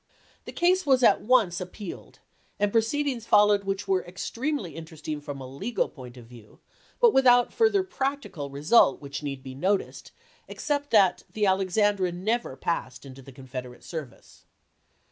The case was at once appealed, and proceedings followed which were extremely in teresting from a legal point of view, but without further practical result which need be noticed, except that the Alexandra never passed into the Confederate service.